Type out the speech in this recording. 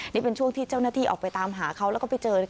นี่เป็นช่วงที่เจ้าหน้าที่ออกไปตามหาเขาแล้วก็ไปเจอ